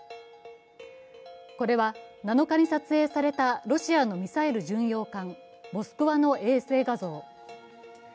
これは７日に撮影されたロシアのミサイル巡洋艦「モスクワ」の衛星画像。